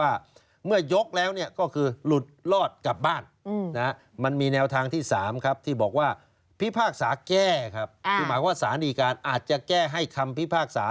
ถ้ายืนก็๑๕ปีแล้วครับเข้าคุกทันที